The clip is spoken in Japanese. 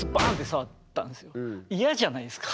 嫌じゃないですか。